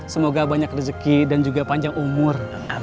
semoga banyak rezeki dan juga panjang umur